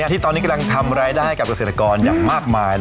ที่ตอนนี้กำลังทำรายได้กับเกษตรกรอย่างมากมาย